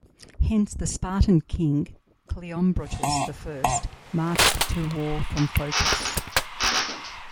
Hence, the Spartan king, Cleombrotus the First, marched to war from Phocis.